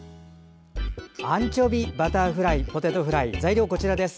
アンチョビバターポテトフライの材料はこちらです。